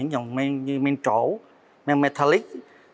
như men trổ men metallic